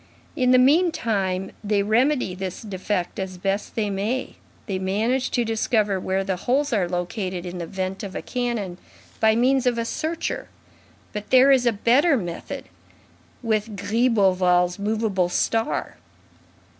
In the meantime, they remedy this defect as best they may; they manage to discover where the holes are located in the vent of a cannon, by means of a searcher. But there is a better method, with Gribeauval's movable star."